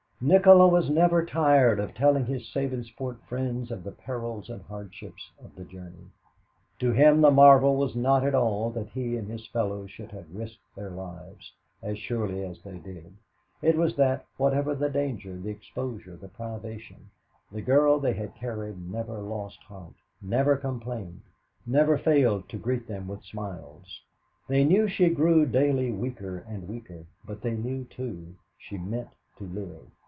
Nikola was never tired of telling his Sabinsport friends of the perils and hardships of the journey. To him the marvel was not at all that he and his fellows should have risked their lives, as surely they did; it was that, whatever the danger, the exposure, the privation, the girl they carried never lost heart, never complained, never failed to greet them with smiles. They knew she grew daily weaker and weaker; but they knew, too, she meant to live.